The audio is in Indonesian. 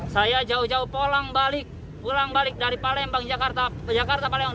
saya jauh jauh pulang balik dari palembang jakarta palembang